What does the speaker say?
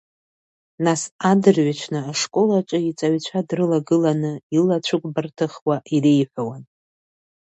Нас адырҩаҽны ашколаҿы иҵаҩцәа дрылагыланы, илацәыкәбар ҭыхуа иреиҳәауан…